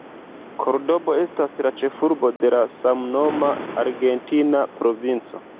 Kordobo estas la ĉefurbo de samnoma argentina provinco.